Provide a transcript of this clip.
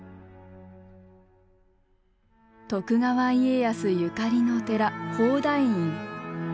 徳川家康ゆかりの寺宝台院。